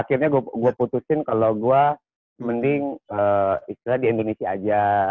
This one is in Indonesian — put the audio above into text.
akhirnya gue putusin kalau gue mending istilahnya di indonesia aja